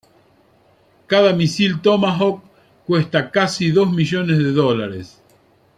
Cada misil Tomahawk cuesta casi dos millones de dólares.